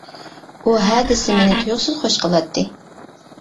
ئۇ ھە دېسە مېنى تۇيۇقسىز خوش قىلاتتى.